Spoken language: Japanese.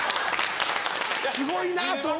すごいなと。